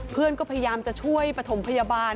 เพื่อนก็พยายามจะช่วยปฐมพยาบาล